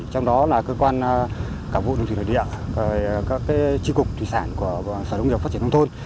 trong đó là cơ quan cả vụ đường thủy nội địa các tri cục thủy sản của sở đông nghiệp phát triển thông thôn